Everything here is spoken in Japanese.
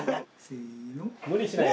無理しないで。